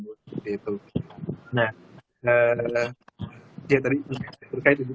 nah ya tadi terkait itu